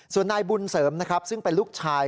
ส่วนนายบุญเสริมนะครับซึ่งเป็นลูกชาย